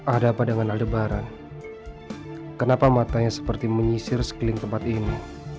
ada apa dengan lebaran kenapa matanya seperti menyisir sekeliling tempat ini